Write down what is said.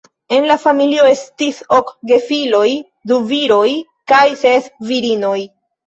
En la familio estis ok gefiloj, du viroj kaj ses virinoj.